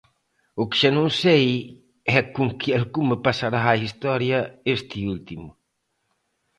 O que xa non sei é con que alcume pasará a historia este último.